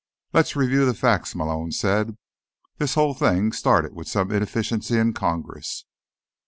"Let's review the facts," Malone said. "This whole thing started with some inefficiency in Congress."